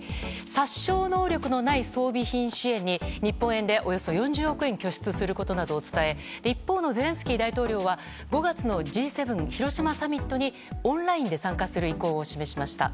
殺傷能力のない装備品支援に日本円で４０億円拠出することなどを伝え一方のゼレンスキー大統領は５月のＧ７広島サミットにオンラインで参加する意向を示しました。